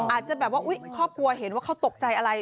อาจจะแบบว่าอุ๊ยครอบครัวเห็นว่าเขาตกใจอะไร